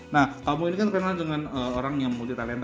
nah kamu ini kan kenalan dengan orang yang multi talenta nih biasanya